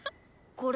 これ。